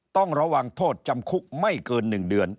ต้องระวังโทษจำคุกไม่เกิน๑เดือน